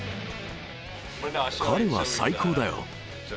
彼は最高だよ。